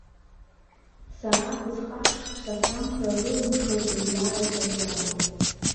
Сара абасҟак шықәса, самхра рылымшо, сызлааиз убри алоуп.